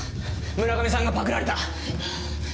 村上さんがパクられた。